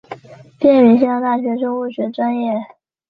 毕业于新疆大学生物学专业。